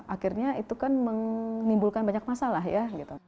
akhirnya itu kan menimbulkan banyak masalah ya